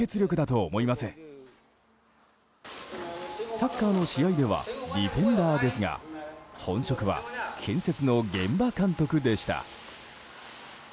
サッカーの試合ではディフェンダーですが本職は建設の現場監督でした。